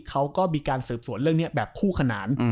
เขาก็มีการสืบสวนเรื่องนี้แบบคู่ขนาน